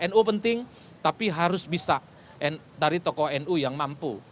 nu penting tapi harus bisa dari tokoh nu yang mampu